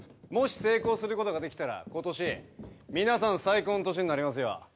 もし成功することができたら今年皆さん最高の年になりますよ。